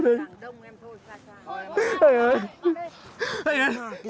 anh ơi anh ơi